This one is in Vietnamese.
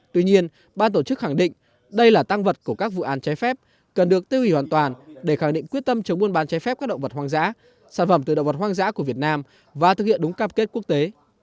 tuy nhiên ban tổ chức khẳng định đây là tăng vật của các vụ án trái phép cần được tiêu hủy hoàn toàn để khẳng định quyết tâm chống buôn bán trái phép các động vật hoang dã sản phẩm từ động vật hoang dã của việt nam và thực hiện đúng cam kết quốc tế